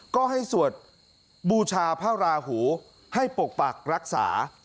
ก็ให้สวดบูชาพระราหูให้ปกปักรักษา